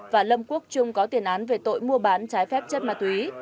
và lâm quốc trung có tiền án về tội mua bán trái phép chất ma túy